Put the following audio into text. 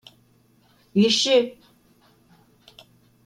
於是